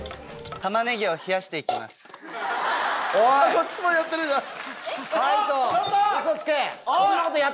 こっちもやってるじゃん。